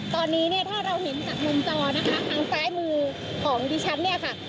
ตอนนี้เนี่ยถ้าเราเห็นจากมุมจอนะคะทางซ้ายมือของดิฉันเนี่ยค่ะ